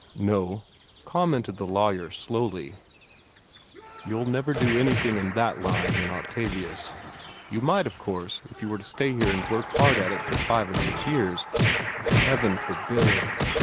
"No," commented the lawyer, slowly; "you'll never do anything in that line in Octavius. You might, of course, if you were to stay here and work hard at it for five or six years " "Heaven forbid!"